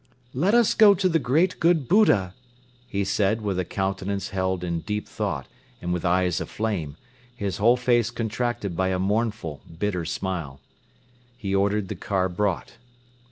"Let us go to the great, good Buddha," he said with a countenance held in deep thought and with eyes aflame, his whole face contracted by a mournful, bitter smile. He ordered the car brought.